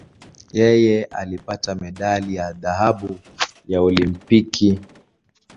Yeye alipata medali ya dhahabu ya Olimpiki.